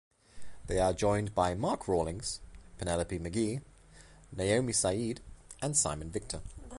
They are joined by Mark Rawlings, Penelope McGhie, Naomi Said and Simon Victor.